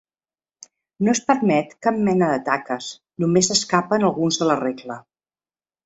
No es permet cap mena de taques, només s'escapen alguns de la regla.